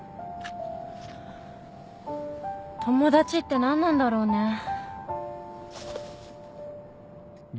友達って何なんだろうね